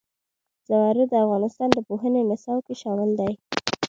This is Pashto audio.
زمرد د افغانستان د پوهنې نصاب کې شامل دي.